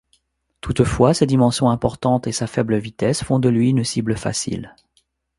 Toutefois, ses dimensions importantes et sa faible vitesse font de lui une cible facile.